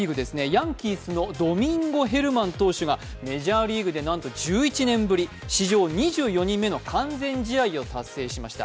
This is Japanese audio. ヤンキースのドミンゴ・ヘルマン投手がメジャーリーグでなんと１１年ぶり、史上２４人目の完全試合を達成しました。